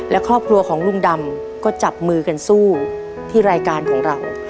และครอบครัวของลุงดำก็จับมือกันสู้ที่รายการของเรา